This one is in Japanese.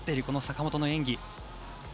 この坂本の演技。